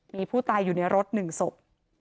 มีผู้ตายอยู่ในรถ๑ศพ